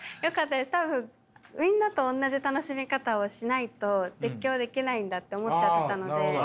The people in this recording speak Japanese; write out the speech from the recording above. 多分みんなとおんなじ楽しみ方をしないと熱狂できないんだって思っちゃってたので何か